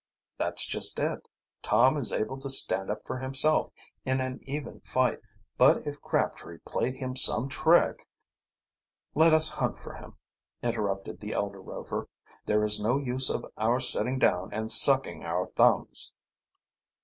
"That's just it. Tom is able to stand up for himself in an even fight, but if Crabtree played him some trick " "Let us hunt for him," interrupted the elder Rover. "There is no use of our sitting down and sucking our thumbs."